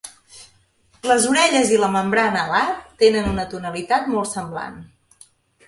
Les orelles i la membrana alar tenen una tonalitat molt semblant.